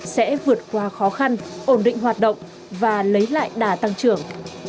sẽ vượt qua khó khăn ổn định hoạt động và lấy lại đà tăng trưởng